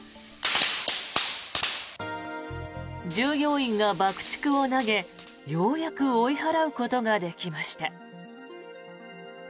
従業員が爆竹を投げ、ようやく追い払うことができました。